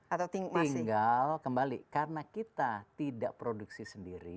atau tinggal kembali karena kita tidak produksi sendiri